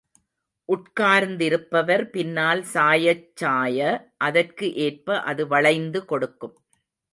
உட்கார்ந்திருப்பவர் பின்னால் சாயச் சாய, அதற்கு ஏற்ப அது வளைந்து கொடுக்கும்.